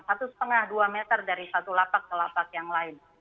satu setengah dua meter dari satu lapak ke lapak yang lain